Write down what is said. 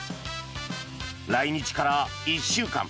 来日から１週間。